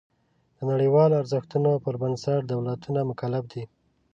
د نړیوالو ارزښتونو پر بنسټ دولتونه مکلف دي.